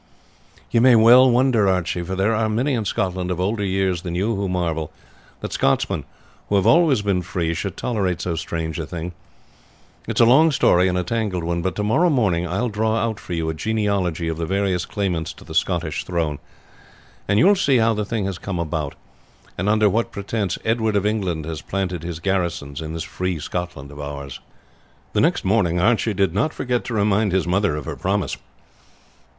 "You may well wonder, Archie, for there are many in Scotland of older years than you who marvel that Scotsmen, who have always been free, should tolerate so strange a thing. It is a long story, and a tangled one; but tomorrow morning I will draw out for you a genealogy of the various claimants to the Scottish throne, and you will see how the thing has come about, and under what pretence Edward of England has planted his garrisons in this free Scotland of ours." The next morning Archie did not forget to remind his mother of her promise.